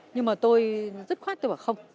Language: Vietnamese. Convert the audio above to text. nhưng mà tôi rất khoát tôi bảo không